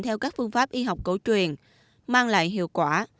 theo các phương pháp y học cổ truyền mang lại hiệu quả